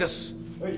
はい。